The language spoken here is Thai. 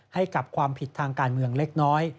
ให้กับความผิดทางการเมืองเล็กน้อย